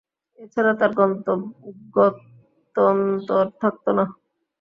এছাড়া তার গত্যন্তর থাকত না।